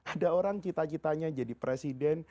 ada orang cita citanya jadi presiden